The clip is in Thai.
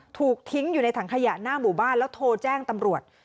ถูกทิ้งอยู่ในถังขยะหน้าหมู่บ้านแล้วโทรแจ้งตำรวจ